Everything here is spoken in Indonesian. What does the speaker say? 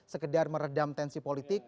sekedar meredam tensi politik